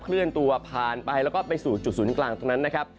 เลื่อนตัวผ่านไปแล้วก็ไปสู่จุดศูนย์กลางตรงนั้นนะครับ